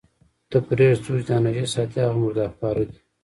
ته پرېږده، څوک چې دا نجس ساتي، هغه مرداره خواره دي.